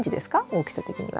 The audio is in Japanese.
大きさ的には。